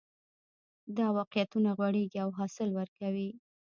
دا واقعیتونه غوړېږي او حاصل ورکوي